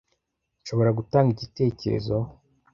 Nshobora gutanga igitekerezo?